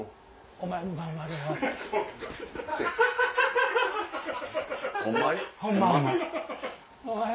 「お前も頑張れよ」。